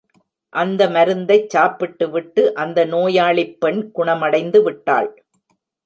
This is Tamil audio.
அந்த மருந்தைச் சாப்பிட்டு விட்டு அந்த நோயாளிப் பெண் குணமடைந்து விட்டாள்!